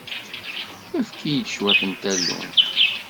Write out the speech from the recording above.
Efk-iyi cwiṭ n tallunt.